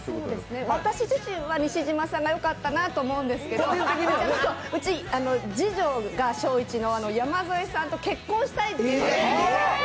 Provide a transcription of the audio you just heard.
私自身は西島さんがよかったなと思うんですけど次女が山添さんと結婚したいって。